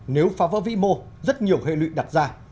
nếu phá vỡ vĩ mô rất nhiều hệ lụy đặt ra